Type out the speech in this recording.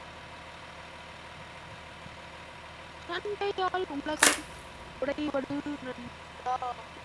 சண்டையால் உலகம் உடைவது நன்றா?